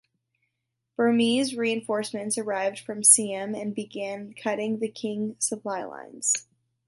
Burmese reinforcements arrived from Siam and began cutting the Qing supply lines.